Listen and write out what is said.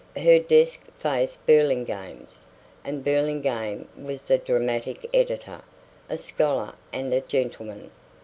Her desk faced Burlingame's; and Burlingame was the dramatic editor, a scholar and a gentleman.